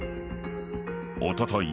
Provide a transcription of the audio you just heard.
おととい